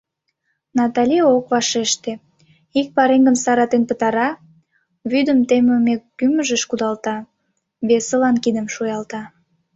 Натали ок вашеште, ик пареҥгым саратен пытара, вӱдым темыме кӱмыжыш кудалта, весылан кидым шуялта.